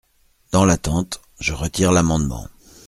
Dans l’attente, je retire l’amendement.